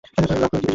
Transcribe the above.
lakh Wikipedia